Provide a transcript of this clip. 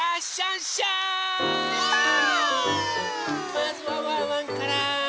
まずはワンワンから。